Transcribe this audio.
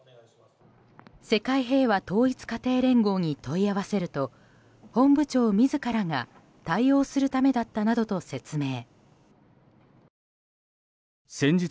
世界平和統一家庭連合に問い合わせると本部長自らが対応するためだったなどと説明。